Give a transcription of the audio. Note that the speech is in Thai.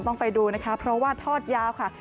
ต้องไปดูนะคะเพราะว่าทอดยาวค่ะ